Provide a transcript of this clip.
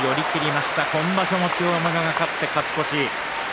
今場所も千代丸が勝って勝ち越し。